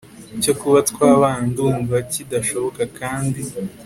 cyo kuba twabana ndumva kidashoboka kandi